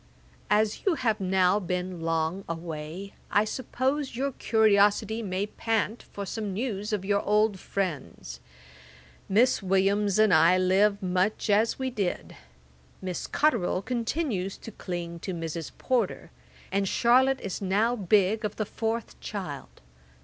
'As you have now been long away, I suppose your curiosity may pant for some news of your old friends. Miss Williams and I live much as we did. Miss Cotterel still continues to cling to Mrs. Porter, and Charlotte is now big of the fourth child.